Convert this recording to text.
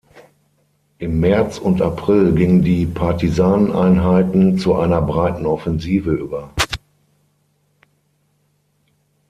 Im März und April gingen die Partisaneneinheiten zu einer breiten Offensive über.